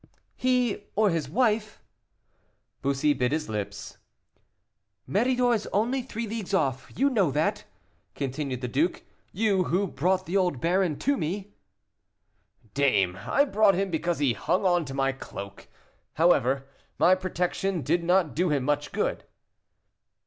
"He or his wife." Bussy bit his lips. "Méridor is only three leagues off, you know that," continued the duke, "you, who brought the old baron to me." "Dame! I brought him because he hung on to my cloak. However, my protection did not do him much good."